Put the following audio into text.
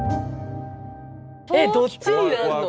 えっどっちになるの？